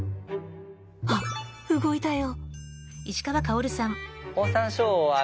あ動いたよ。